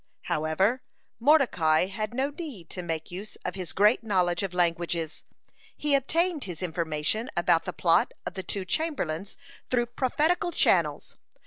However, Mordecai had no need to make use of his great knowledge of languages; he obtained his information about the plot of the two chamberlains through prophetical channels.